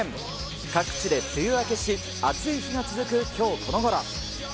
各地で梅雨明けし、暑い日が続くきょうこの頃。